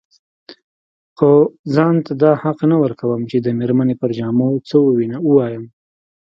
خو ځان ته دا حق نه ورکوم چې د مېرمنې پر جامو څه ووايم.